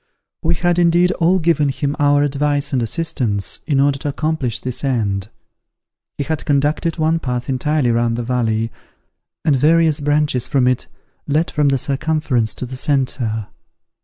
We had, indeed, all given him our advice and assistance, in order to accomplish this end. He had conducted one path entirely round the valley, and various branches from it led from the circumference to the centre.